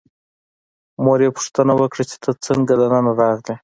مور یې پوښتنه وکړه چې ته څنګه دننه راغلې.